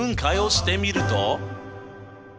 してみると？